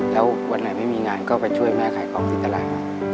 แล้ววันไหนไม่มีงานก็ไปช่วยแม่ขายของที่ตลาด